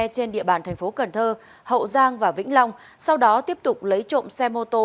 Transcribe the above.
trên địa bàn thành phố cần thơ hậu giang và vĩnh long sau đó tiếp tục lấy trộm xe mô tô